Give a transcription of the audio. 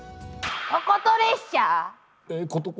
ことこと列車。